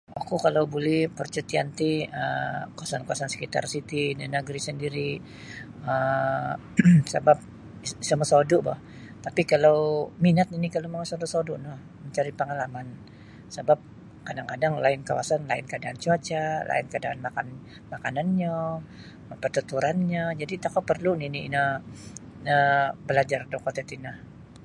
Oku kalau buli parcutian ti um kawasan-kawasan sekitar siti da nagri' sandiri' um sabap isa' mosodu' boh tapi' kalau minat nini' kalau mongoi sodu'-sodu' no mancari' pangalaman sabap kadang-kadang lain kawasan lain kaadaan cuaca' lain kaadaan makan makanannyo partuturannyo jadi' tokou porlu' nini' no na balajar da kuo tatino.